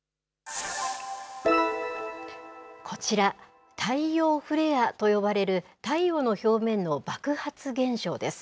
こちら、太陽フレアと呼ばれる太陽の表面の爆発現象です。